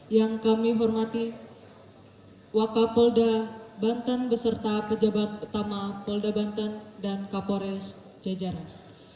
yang kami hormati wakapolda banten beserta pejabat utama polda banten dan kapolres jajaran